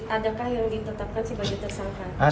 adakah yang ditetapkan si bayi tersangka